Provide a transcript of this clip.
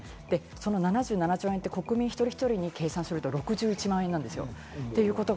７７兆円って、国民一人一人に計算すると、６１万円なんですよ。